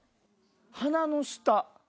鼻の下。